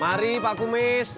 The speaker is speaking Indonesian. mari pak kumis